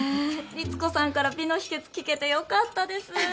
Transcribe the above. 律子さんから美の秘訣聞けてよかったです。